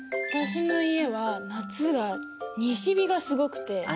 私の家は夏が西日がすごくて。